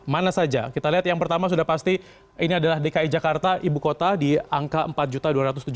mana saja kita lihat yang pertama sudah pasti ini adalah dki jakarta ibu kota di angka empat dua ratus tujuh puluh enam tiga ratus empat puluh sembilan